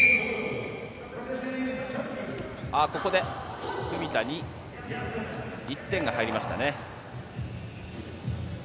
ここで文田に１点が入りましたね。